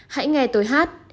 hãy nghe tôi hát